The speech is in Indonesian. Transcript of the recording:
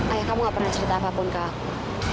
ayah kamu gak pernah cerita apapun ke aku